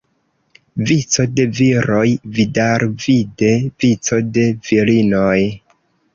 Vico de viroj, vidalvide vico de virinoj.